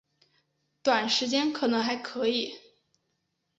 短时间可能还可以